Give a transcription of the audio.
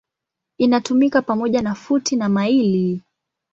Inatumika pamoja na futi na maili.